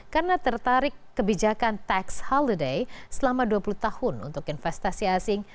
karena tertarik kebijakan tax holiday selama dua puluh tahun untuk investasi asing